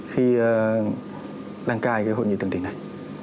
khi đăng cai cái hội nghị thượng đỉnh này